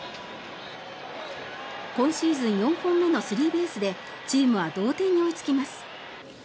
今シーズン４本目のスリーベースでチームは同点に追いつきます。